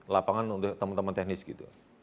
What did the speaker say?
lapangan untuk teman teman teknis gitu